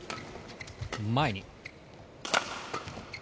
前に。